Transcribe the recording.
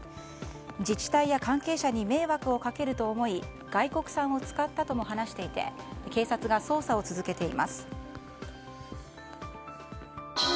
自治体や関係者に迷惑をかけると思い外国産を使ったとも話していて警察が捜査を続けています。